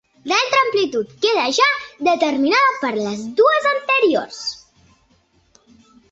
L'altra amplitud queda ja determinada per les dues anteriors.